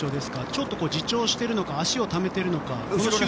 ちょっと自重しているのか足をためているのか。